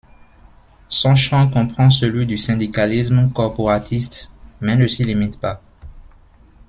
Son champ comprend celui du syndicalisme corporatiste mais ne s'y limite pas.